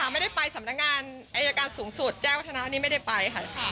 ไม่ได้ไปสำนักงานอายการสูงสุดแจ้งวัฒนานี่ไม่ได้ไปค่ะ